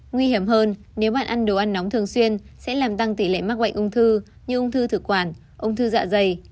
nguy hiểm hơn nếu bạn ăn đồ ăn nóng thường xuyên sẽ làm tăng tỷ lệ mắc bệnh ung thư như ung thư thực quản ung thư dạ dày